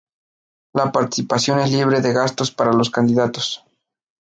La participación es libre de gastos para los candidatos.